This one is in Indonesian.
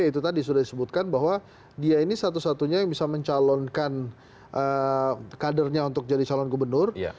itu tadi sudah disebutkan bahwa dia ini satu satunya yang bisa mencalonkan kadernya untuk jadi calon gubernur